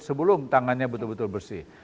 sebelum tangannya betul betul bersih